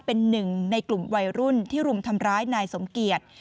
เป็นหนึ่งในกลุ่มวัยรุ่นที่รุมทำร้ายนายสมเกียจ